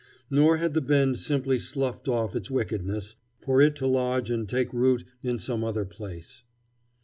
Nor had the Bend simply sloughed off its wickedness, for it to lodge and take root in some other place.